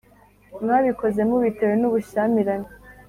mwabikoze mubitewe n’ubushyamirane